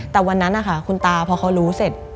แต่วันนั้นนะคะคุณตาพอเขารู้เสร็จ